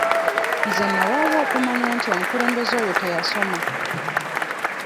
Nze nnalwawo okumanya nti omukulembeze oyo teyasoma.